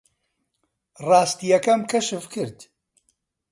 ڕاستییەکەم کەشف کرد.